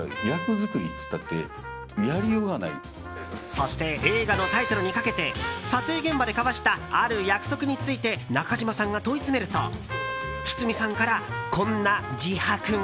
そして映画のタイトルにかけて撮影現場で交わしたある約束について中島さんが問い詰めると堤さんから、こんな自白が。